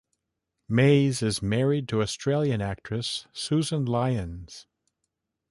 Mays is married to Australian actress Susan Lyons.